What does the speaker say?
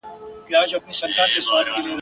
د نېښ لرونکو کلماتو له اظهارولو څخه لاس وانخیست ..